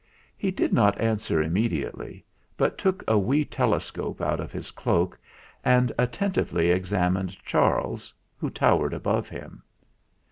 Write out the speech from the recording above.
He did not answer im mediately, but took a wee telescope out of his cloak and attentively examined Charles, who towered above him.